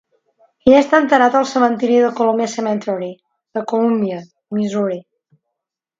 Ell està enterrat al cementeri Columbia Cemetery de Colúmbia, Missouri.